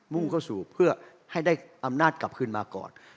่งเข้าสู่เพื่อให้ได้อำนาจกลับขึ้นมาก่อน